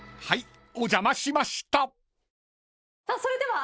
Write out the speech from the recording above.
はい！